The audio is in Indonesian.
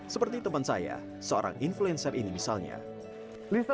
tapi jika anda ingin memilih kegiatan wisata dengan cerman